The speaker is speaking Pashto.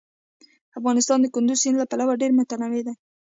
افغانستان د کندز سیند له پلوه ډېر متنوع دی.